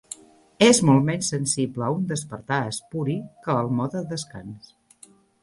És molt menys sensible a un despertar espuri que al mode descans.